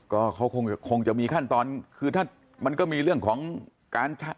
ก็เขาคงจะมีขั้นตอนคือถ้ามันก็มีเรื่องของการชะ